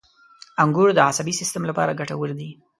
• انګور د عصبي سیستم لپاره ګټور دي.